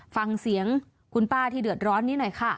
ฟังเสียงคุณป้าที่เดือดร้อนนี้หน่อยค่ะ